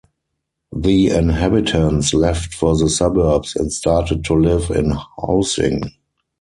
The inhabitants left for the suburbs and started to live in housing.